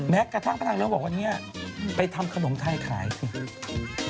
แม้กระทั่งพระนางเรือร่มบอกว่าวันนี้ไปทำขนมไทยขายสิ